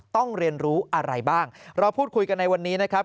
ต้องเรียนรู้อะไรบ้างเราพูดคุยกันในวันนี้นะครับ